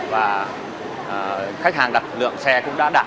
và khách hàng đặt lượng xe cũng đã đạt